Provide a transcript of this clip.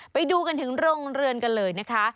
ไปดูกันถึงโรงเรือนกันเลยนะคะ